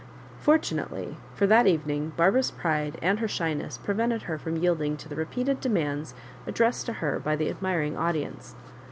Fortunately, for thtat evening Barbara's pride and her shyness prevented her from yielding to the repeated demands addressed to her by the admiring audience.